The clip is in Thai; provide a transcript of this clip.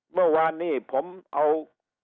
เมื่อวานนี้ผมเอา